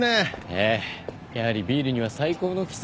ええやはりビールには最高の季節ですから。